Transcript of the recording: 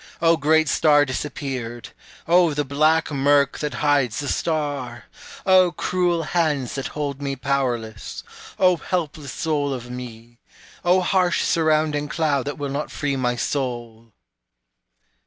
O great star disappeared O the black murk that hides the star! O cruel hands that hold me powerless O helpless soul of me! O harsh surrounding cloud that will not free my soul!